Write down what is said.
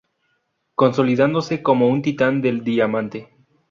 Consolidándose como un titán del diamante.